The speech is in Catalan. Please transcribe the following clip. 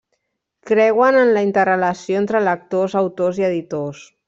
Creuen en la interrelació entre lectors, autors i editors.